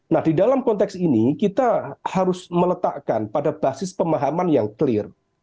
nah di dalam konteks ini kita harus meletakkan pada basis pemahaman yang clear